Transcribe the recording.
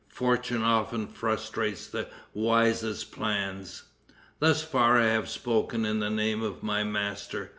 Fortune often frustrates the wisest plans. "Thus far I have spoken in the name of my master.